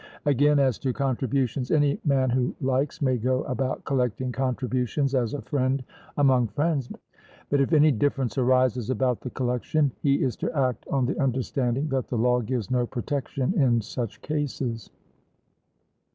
Again, as to contributions, any man who likes may go about collecting contributions as a friend among friends, but if any difference arises about the collection, he is to act on the understanding that the law gives no protection in such cases.